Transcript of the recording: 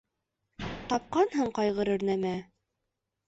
— Тапҡанһың ҡайғырыр нәмә?